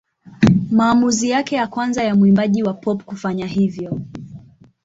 Maamuzi yake ya kwanza ya mwimbaji wa pop kufanya hivyo.